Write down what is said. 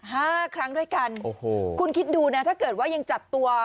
ห้าครั้งด้วยกันโอ้โหคุณคิดดูนะถ้าเกิดว่ายังจับตัว